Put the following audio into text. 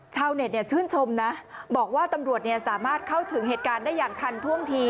ชาวเน็ตชื่นชมนะบอกว่าตำรวจสามารถเข้าถึงเหตุการณ์ได้อย่างทันท่วงที